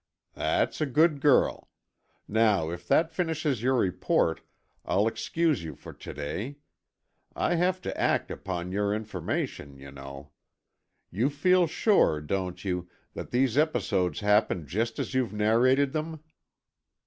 "That's a good girl. Now if that finishes your report, I'll excuse you for to day. I have to act upon your information, you know. You feel sure, don't you, that these episodes happened just as you've narrated them?"